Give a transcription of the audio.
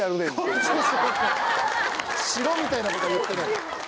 白みたいなことは言ってない。